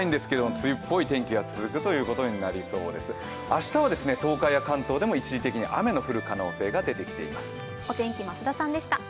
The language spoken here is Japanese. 明日は東海や関東でも一時的に雨の降る可能性が出てきています。